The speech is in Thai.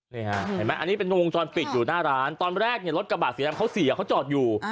เห็นไหมอันนี้เป็นวงจรปิดอยู่หน้าร้านตอนแรกเนี่ยรถกระบาดสีดำเขาเสียเขาจอดอยู่